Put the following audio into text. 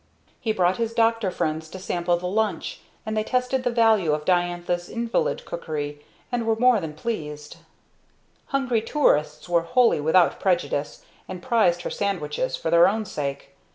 He brought his doctor friends to sample the lunch, and they tested the value of Diantha's invalid cookery, and were more than pleased. Hungry tourists were wholly without prejudice, and prized her lunches for their own sake.